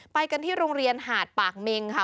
ไปกันที่โรงเรียนหาดปากเมงค่ะ